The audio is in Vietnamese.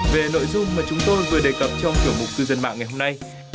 về nội dung mà chúng tôi vừa đề cập trong tiểu mục cư dân mạng ngày hôm nay